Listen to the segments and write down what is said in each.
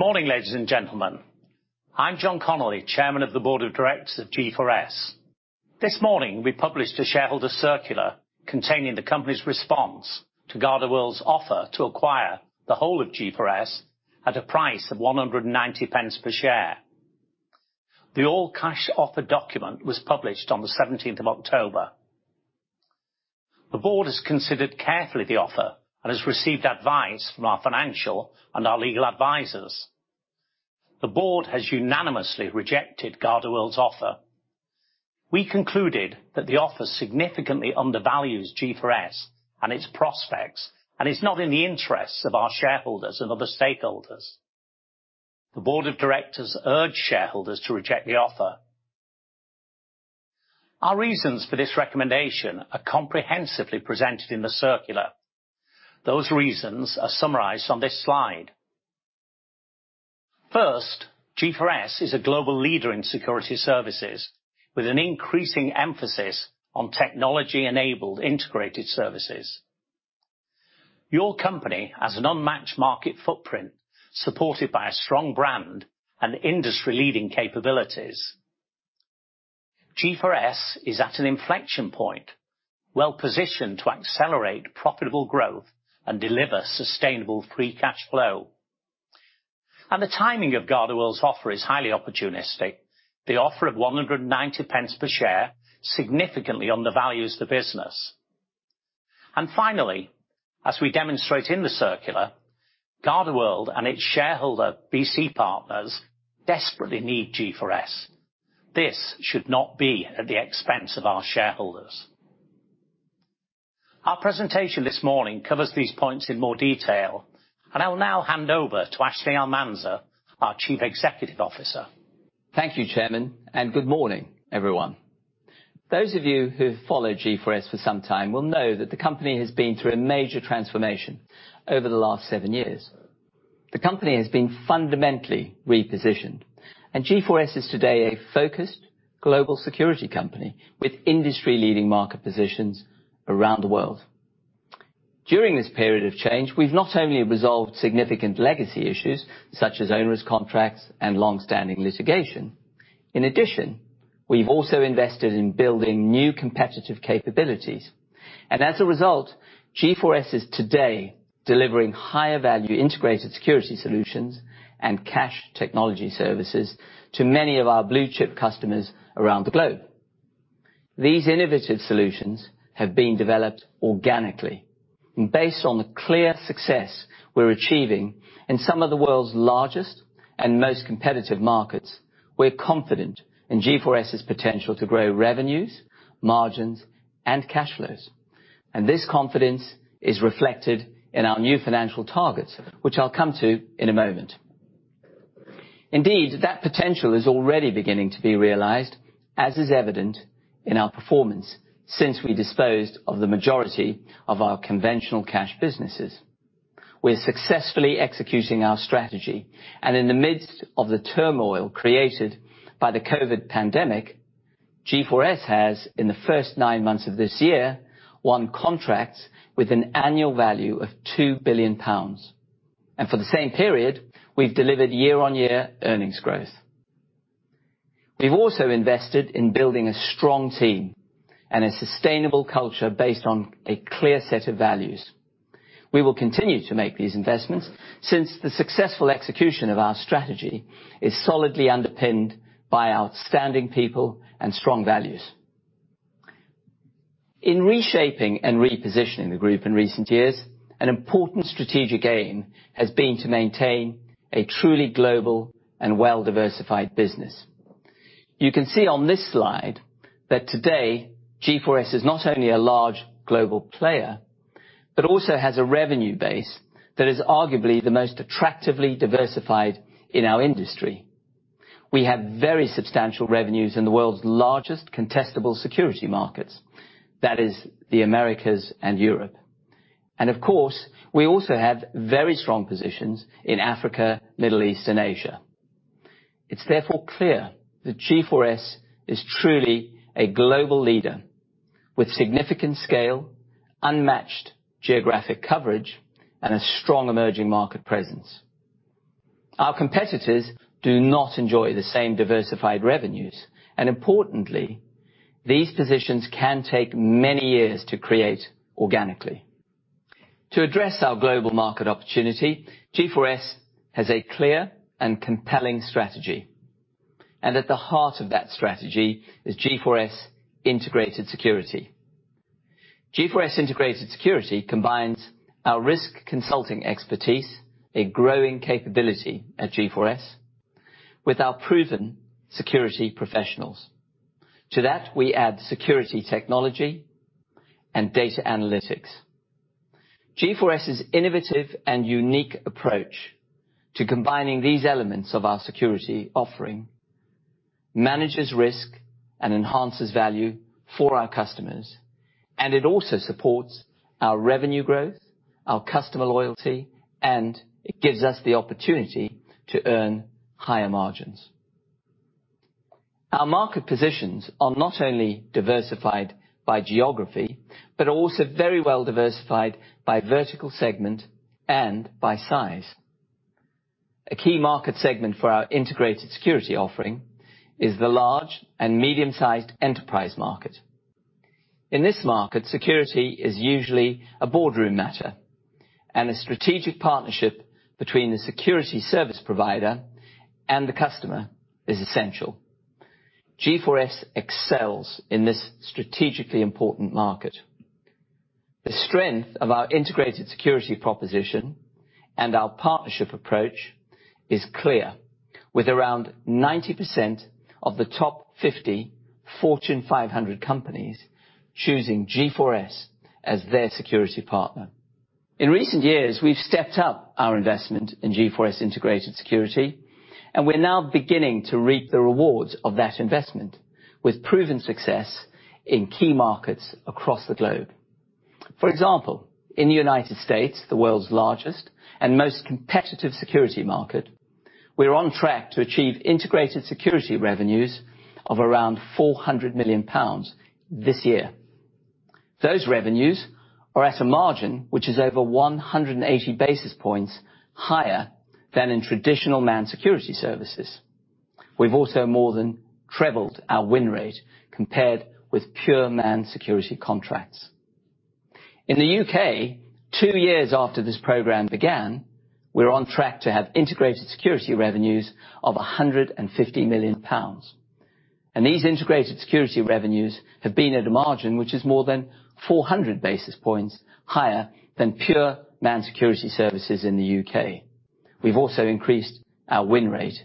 Good morning, ladies and gentlemen. I'm John Connolly, Chairman of the Board of Directors of G4S. This morning, we published a shareholder circular containing the company's response to GardaWorld's offer to acquire the whole of G4S at a price of 1.90 per share. The all-cash offer document was published on the 17th of October. The Board has considered carefully the offer and has received advice from our financial and our legal advisors. The Board has unanimously rejected GardaWorld's offer. We concluded that the offer significantly undervalues G4S and its prospects and is not in the interests of our shareholders and other stakeholders. The Board of Directors urged shareholders to reject the offer. Our reasons for this recommendation are comprehensively presented in the circular. Those reasons are summarized on this slide. First, G4S is a global leader in security services, with an increasing emphasis on technology-enabled integrated services. Your company has an unmatched market footprint, supported by a strong brand and industry-leading capabilities. G4S is at an inflection point, well-positioned to accelerate profitable growth and deliver sustainable free cash flow. The timing of GardaWorld's offer is highly opportunistic. The offer of 1.90 per share significantly undervalues the business. Finally, as we demonstrate in the circular, GardaWorld and its shareholder BC Partners desperately need G4S. This should not be at the expense of our shareholders. Our presentation this morning covers these points in more detail, and I'll now hand over to Ashley Almanza, our Chief Executive Officer. Thank you, Chairman, and good morning, everyone. Those of you who have followed G4S for some time will know that the company has been through a major transformation over the last seven years. The company has been fundamentally repositioned, and G4S is today a focused global security company with industry-leading market positions around the world. During this period of change, we've not only resolved significant legacy issues such as onerous contracts and long-standing litigation. In addition, we've also invested in building new competitive capabilities, and as a result, G4S is today delivering higher-value integrated security solutions and cash technology services to many of our blue-chip customers around the globe. These innovative solutions have been developed organically, and based on the clear success we're achieving in some of the world's largest and most competitive markets, we're confident in G4S's potential to grow revenues, margins, and cash flows. And this confidence is reflected in our new financial targets, which I'll come to in a moment. Indeed, that potential is already beginning to be realized, as is evident in our performance since we disposed of the majority of our conventional cash businesses. We're successfully executing our strategy, and in the midst of the turmoil created by the COVID pandemic, G4S has, in the first nine months of this year, won contracts with an annual value of 2 billion pounds. And for the same period, we've delivered year-on-year earnings growth. We've also invested in building a strong team and a sustainable culture based on a clear set of values. We will continue to make these investments since the successful execution of our strategy is solidly underpinned by outstanding people and strong values. In reshaping and repositioning the group in recent years, an important strategic aim has been to maintain a truly global and well-diversified business. You can see on this slide that today, G4S is not only a large global player, but also has a revenue base that is arguably the most attractively diversified in our industry. We have very substantial revenues in the world's largest contestable security markets, that is, the Americas and Europe. Of course, we also have very strong positions in Africa, the Middle East, and Asia. It's therefore clear that G4S is truly a global leader with significant scale, unmatched geographic coverage, and a strong emerging market presence. Our competitors do not enjoy the same diversified revenues, and importantly, these positions can take many years to create organically. To address our global market opportunity, G4S has a clear and compelling strategy. At the heart of that strategy is G4S Integrated Security. G4S Integrated Security combines our risk consulting expertise, a growing capability at G4S, with our proven security professionals. To that, we add security technology and data analytics. G4S's innovative and unique approach to combining these elements of our security offering manages risk and enhances value for our customers, and it also supports our revenue growth, our customer loyalty, and it gives us the opportunity to earn higher margins. Our market positions are not only diversified by geography, but are also very well diversified by vertical segment and by size. A key market segment for our integrated security offering is the large and medium-sized enterprise market. In this market, security is usually a boardroom matter, and a strategic partnership between the security service provider and the customer is essential. G4S excels in this strategically important market. The strength of our integrated security proposition and our partnership approach is clear, with around 90% of the top 50 Fortune 500 companies choosing G4S as their security partner. In recent years, we've stepped up our investment in G4S Integrated Security, and we're now beginning to reap the rewards of that investment with proven success in key markets across the globe. For example, in the United States, the world's largest and most competitive security market, we're on track to achieve integrated security revenues of around 400 million pounds this year. Those revenues are at a margin which is over 180 basis points higher than in traditional manned security services. We've also more than trebled our win rate compared with pure manned security contracts. In the U.K., two years after this program began, we're on track to have integrated security revenues of 150 million pounds. These integrated security revenues have been at a margin which is more than 400 basis points higher than pure manned security services in the U.K. We've also increased our win rate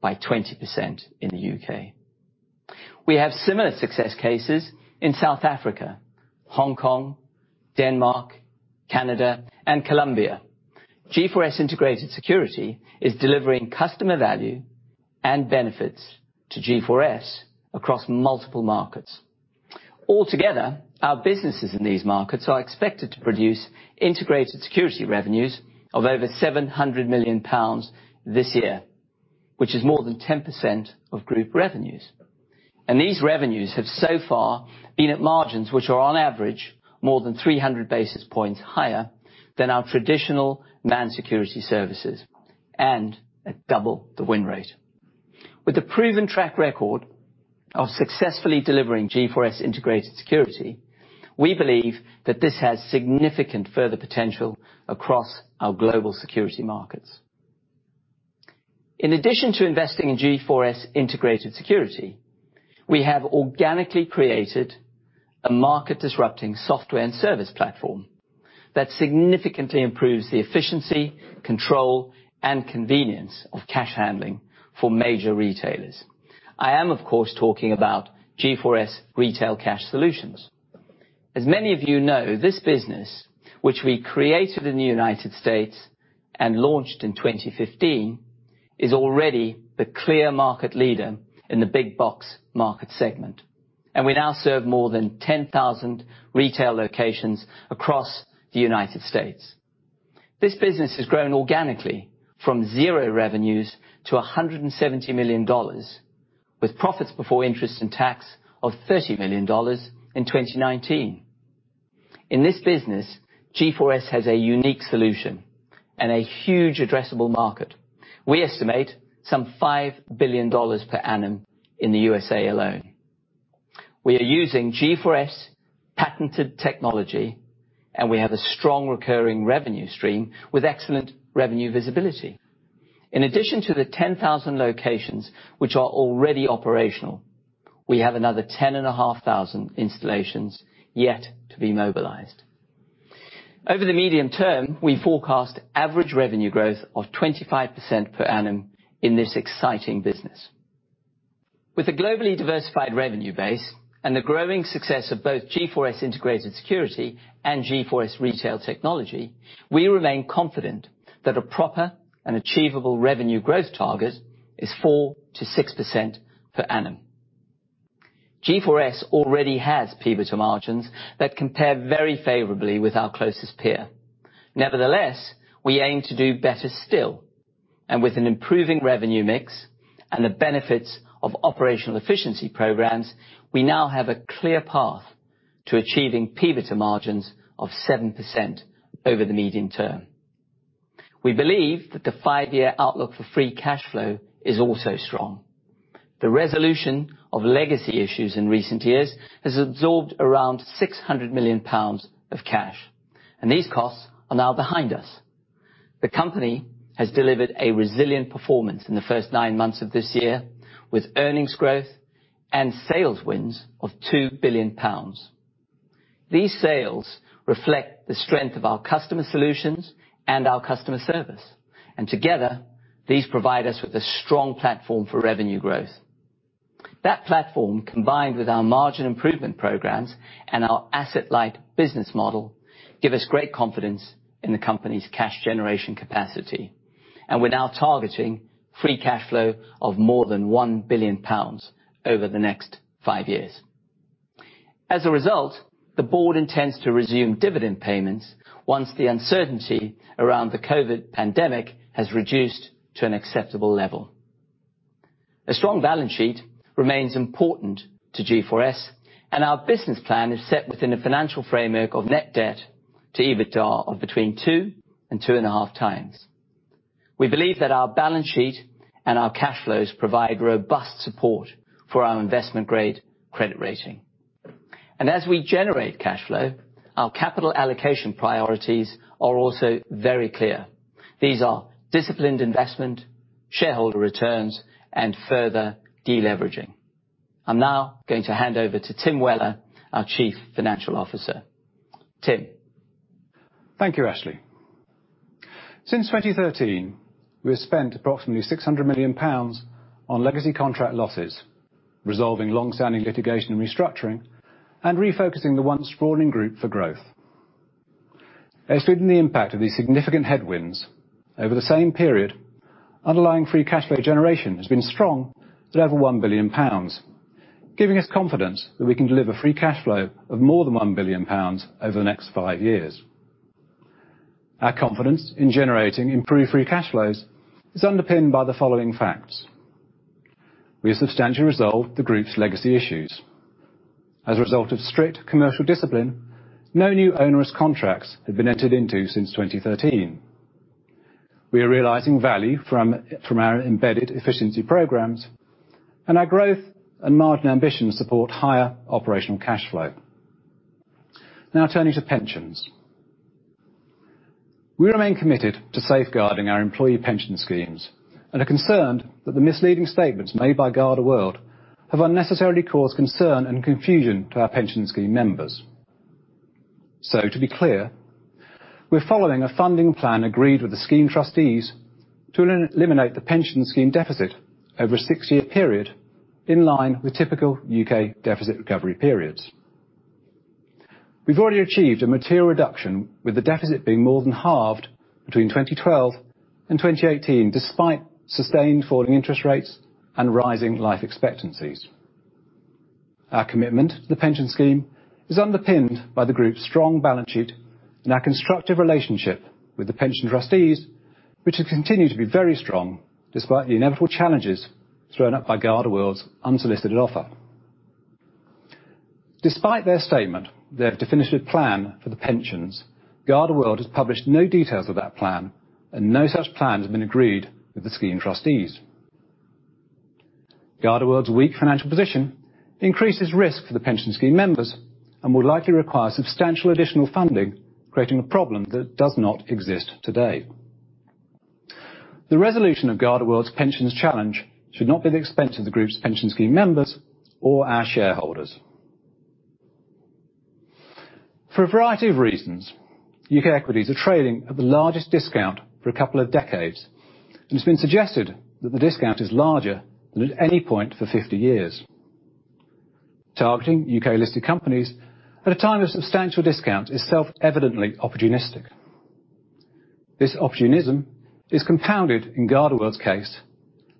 by 20% in the U.K. We have similar success cases in South Africa, Hong Kong, Denmark, Canada, and Colombia. G4S Integrated Security is delivering customer value and benefits to G4S across multiple markets. Altogether, our businesses in these markets are expected to produce integrated security revenues of over 700 million pounds this year, which is more than 10% of group revenues, and these revenues have so far been at margins which are, on average, more than 300 basis points higher than our traditional manned security services, and at double the win rate. With the proven track record of successfully delivering G4S Integrated Security, we believe that this has significant further potential across our global security markets. In addition to investing in G4S Integrated Security, we have organically created a market-disrupting software and service platform that significantly improves the efficiency, control, and convenience of cash handling for major retailers. I am, of course, talking about G4S Retail Cash Solutions. As many of you know, this business, which we created in the United States and launched in 2015, is already the clear market leader in the big-box market segment. And we now serve more than 10,000 retail locations across the United States. This business has grown organically from zero revenues to $170 million, with profits before interest and tax of $30 million in 2019. In this business, G4S has a unique solution and a huge addressable market. We estimate some $5 billion per annum in the USA alone. We are using G4S patented technology, and we have a strong recurring revenue stream with excellent revenue visibility. In addition to the 10,000 locations which are already operational, we have another 10,500 installations yet to be mobilized. Over the medium term, we forecast average revenue growth of 25% per annum in this exciting business. With a globally diversified revenue base and the growing success of both G4S Integrated Security and G4S Retail Technology, we remain confident that a proper and achievable revenue growth target is 4%-6% per annum. G4S already has EBITDA margins that compare very favorably with our closest peer. Nevertheless, we aim to do better still and with an improving revenue mix and the benefits of operational efficiency programs, we now have a clear path to achieving EBITDA margins of 7% over the medium term. We believe that the five-year outlook for free cash flow is also strong. The resolution of legacy issues in recent years has absorbed around 600 million pounds of cash, and these costs are now behind us. The company has delivered a resilient performance in the first nine months of this year, with earnings growth and sales wins of 2 billion pounds. These sales reflect the strength of our customer solutions and our customer service. And together, these provide us with a strong platform for revenue growth. That platform, combined with our margin improvement programs and our asset-light business model, gives us great confidence in the company's cash generation capacity. And we're now targeting free cash flow of more than 1 billion pounds over the next five years. As a result, the Board intends to resume dividend payments once the uncertainty around the COVID pandemic has reduced to an acceptable level. A strong balance sheet remains important to G4S, and our business plan is set within a financial framework of net debt to EBITDA of between 2x and 2.5x. We believe that our balance sheet and our cash flows provide robust support for our investment-grade credit rating, and as we generate cash flow, our capital allocation priorities are also very clear. These are disciplined investment, shareholder returns, and further deleveraging. I'm now going to hand over to Tim Weller, our Chief Financial Officer. Tim. Thank you, Ashley. Since 2013, we have spent approximately 600 million pounds on legacy contract losses, resolving long-standing litigation and restructuring, and refocusing the once sprawling group for growth. As stated in the impact of these significant headwinds, over the same period, underlying free cash flow generation has been strong at over 1 billion pounds, giving us confidence that we can deliver free cash flow of more than 1 billion pounds over the next five years. Our confidence in generating improved free cash flows is underpinned by the following facts. We have substantially resolved the group's legacy issues. As a result of strict commercial discipline, no new onerous contracts have been entered into since 2013. We are realizing value from our embedded efficiency programs, and our growth and margin ambitions support higher operational cash flow. Now turning to pensions. We remain committed to safeguarding our employee pension schemes and are concerned that the misleading statements made by GardaWorld have unnecessarily caused concern and confusion to our pension scheme members. So, to be clear, we're following a funding plan agreed with the scheme trustees to eliminate the pension scheme deficit over a six-year period in line with typical U.K. deficit recovery periods. We've already achieved a material reduction, with the deficit being more than halved between 2012 and 2018, despite sustained falling interest rates and rising life expectancies. Our commitment to the pension scheme is underpinned by the group's strong balance sheet and our constructive relationship with the pension trustees, which have continued to be very strong despite the inevitable challenges thrown up by GardaWorld's unsolicited offer. Despite their statement, their definitive plan for the pensions, GardaWorld has published no details of that plan, and no such plan has been agreed with the scheme trustees. GardaWorld's weak financial position increases risk for the pension scheme members and will likely require substantial additional funding, creating a problem that does not exist today. The resolution of GardaWorld's pension challenge should not be at the expense of the group's pension scheme members or our shareholders. For a variety of reasons, U.K. equities are trading at the largest discount for a couple of decades, and it's been suggested that the discount is larger than at any point for 50 years. Targeting U.K.-listed companies at a time of substantial discount is self-evidently opportunistic. This opportunism is compounded in GardaWorld's case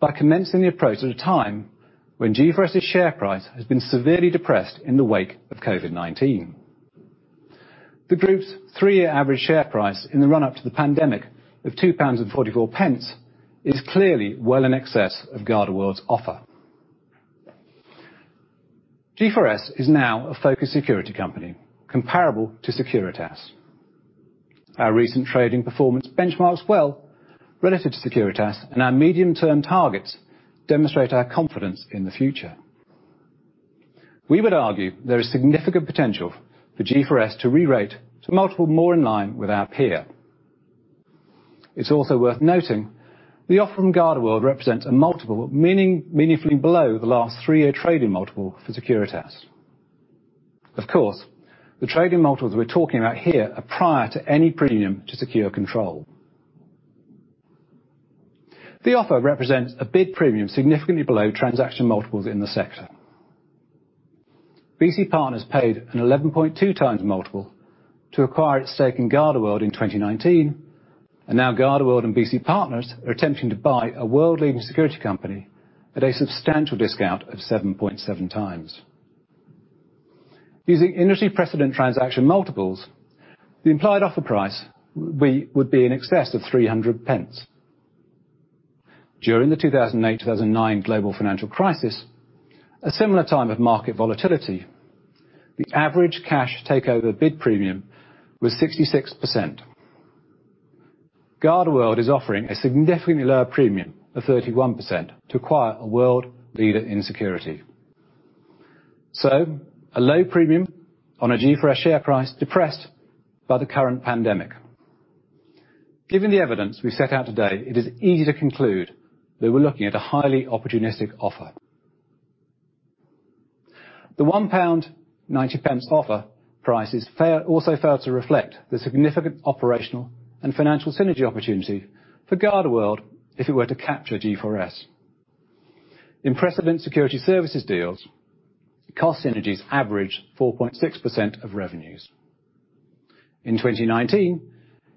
by commencing the approach at a time when G4S's share price has been severely depressed in the wake of COVID-19. The group's three-year average share price in the run-up to the pandemic of 2.44 pounds is clearly well in excess of GardaWorld's offer. G4S is now a focused security company, comparable to Securitas. Our recent trading performance benchmarks well relative to Securitas, and our medium-term targets demonstrate our confidence in the future. We would argue there is significant potential for G4S to re-rate to multiples more in line with our peer. It's also worth noting the offer from GardaWorld represents a multiple meaningfully below the last three-year trading multiple for Securitas. Of course, the trading multiples we're talking about here are prior to any premium to secure control. The offer represents a bid premium significantly below transaction multiples in the sector. BC Partners paid an 11.2x multiple to acquire its stake in GardaWorld in 2019, and now GardaWorld and BC Partners are attempting to buy a world-leading security company at a substantial discount of 7.7x. Using industry precedent transaction multiples, the implied offer price would be in excess of 3. During the 2008-2009 global financial crisis, at a similar time of market volatility, the average cash takeover bid premium was 66%. GardaWorld is offering a significantly lower premium of 31% to acquire a world leader in security. So, a low premium on a G4S share price depressed by the current pandemic. Given the evidence we've set out today, it is easy to conclude that we're looking at a highly opportunistic offer. The GBP 1.90 offer price has also failed to reflect the significant operational and financial synergy opportunity for GardaWorld if it were to capture G4S. In precedent security services deals, cost synergies average 4.6% of revenues. In 2019,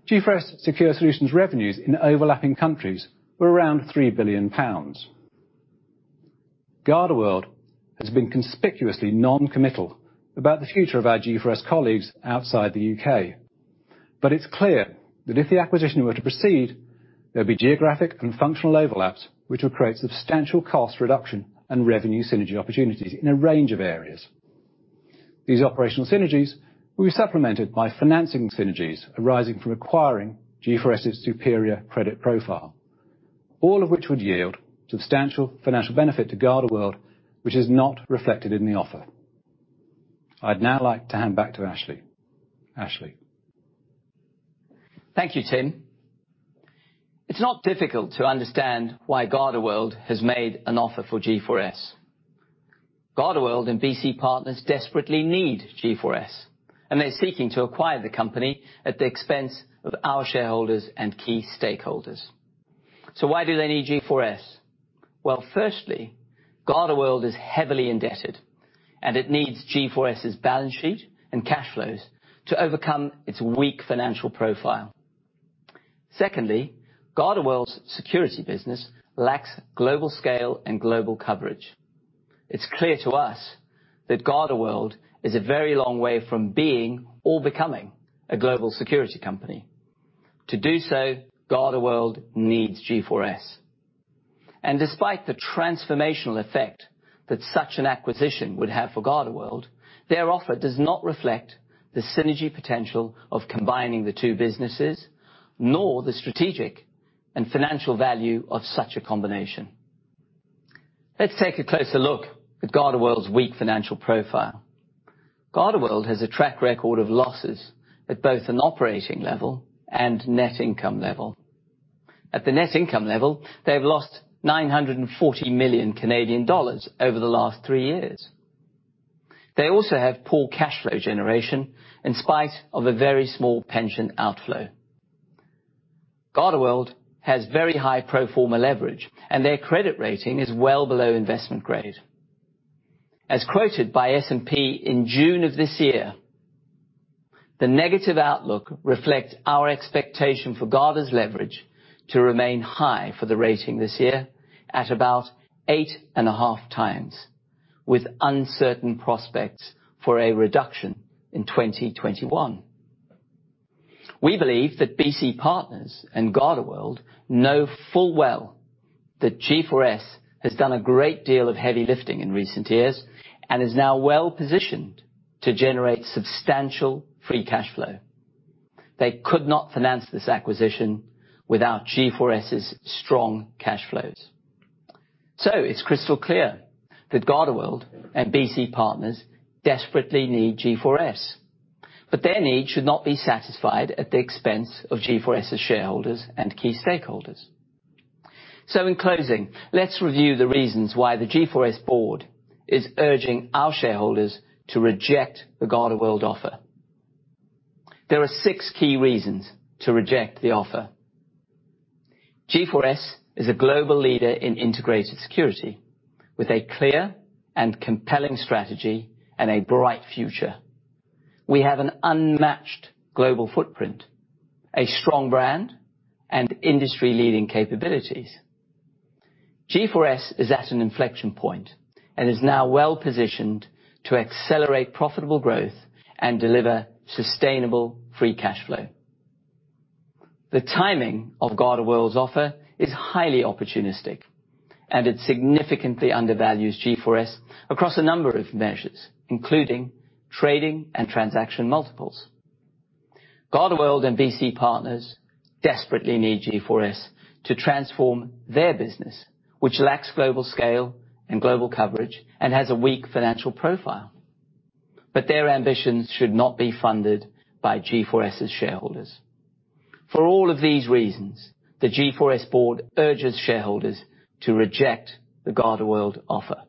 G4S Secure Solutions' revenues in overlapping countries were around 3 billion pounds. GardaWorld has been conspicuously non-committal about the future of our G4S colleagues outside the U.K. But it's clear that if the acquisition were to proceed, there would be geographic and functional overlaps which would create substantial cost reduction and revenue synergy opportunities in a range of areas. These operational synergies will be supplemented by financing synergies arising from acquiring G4S's superior credit profile, all of which would yield substantial financial benefit to GardaWorld, which is not reflected in the offer. I'd now like to hand back to Ashley. Ashley. Thank you, Tim. It's not difficult to understand why GardaWorld has made an offer for G4S. GardaWorld and BC Partners desperately need G4S, and they're seeking to acquire the company at the expense of our shareholders and key stakeholders. So why do they need G4S? Well, firstly, GardaWorld is heavily indebted, and it needs G4S's balance sheet and cash flows to overcome its weak financial profile. Secondly, GardaWorld's security business lacks global scale and global coverage. It's clear to us that GardaWorld is a very long way from being or becoming a global security company. To do so, GardaWorld needs G4S. Despite the transformational effect that such an acquisition would have for GardaWorld, their offer does not reflect the synergy potential of combining the two businesses, nor the strategic and financial value of such a combination. Let's take a closer look at GardaWorld's weak financial profile. GardaWorld has a track record of losses at both an operating level and net income level. At the net income level, they have lost 940 million Canadian dollars over the last three years. They also have poor cash flow generation in spite of a very small pension outflow. GardaWorld has very high pro forma leverage, and their credit rating is well below investment-grade. As quoted by S&P in June of this year, the negative outlook reflects our expectation for GardaWorld's leverage to remain high for the rating this year at about 8.5x, with uncertain prospects for a reduction in 2021. We believe that BC Partners and GardaWorld know full well that G4S has done a great deal of heavy lifting in recent years and is now well positioned to generate substantial free cash flow. They could not finance this acquisition without G4S's strong cash flows. So it's crystal clear that GardaWorld and BC Partners desperately need G4S. But their need should not be satisfied at the expense of G4S's shareholders and key stakeholders. So in closing, let's review the reasons why the G4S Board is urging our shareholders to reject the GardaWorld offer. There are six key reasons to reject the offer. G4S is a global leader in integrated security, with a clear and compelling strategy and a bright future. We have an unmatched global footprint, a strong brand, and industry-leading capabilities. G4S is at an inflection point and is now well positioned to accelerate profitable growth and deliver sustainable free cash flow. The timing of GardaWorld's offer is highly opportunistic, and it significantly undervalues G4S across a number of measures, including trading and transaction multiples. GardaWorld and BC Partners desperately need G4S to transform their business, which lacks global scale and global coverage and has a weak financial profile. But their ambitions should not be funded by G4S's shareholders. For all of these reasons, the G4S Board urges shareholders to reject the GardaWorld offer.